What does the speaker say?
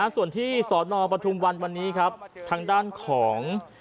ส่วนที่สนปทุมวันวันนี้ครับทางด้านของ